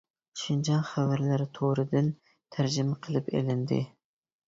«شىنجاڭ خەۋەرلىرى تورى» دىن تەرجىمە قىلىپ ئېلىندى.